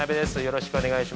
よろしくお願いします